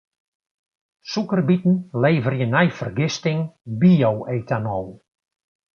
Sûkerbiten leverje nei fergisting bio-etanol.